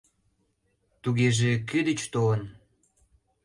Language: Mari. Тугеже кӧ деч толын?